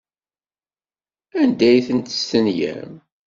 Anda ay ten-testenyam?